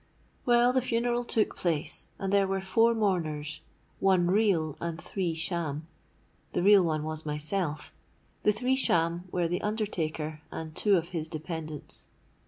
"Well, the funeral took place—and there were four mourners, one real and three sham. The real one was myself—the three sham were the undertaker and two of his dependants.